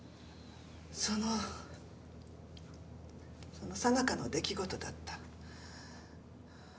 そのそのさなかの出来事だった。